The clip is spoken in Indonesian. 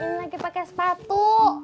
ini lagi pakai sepatu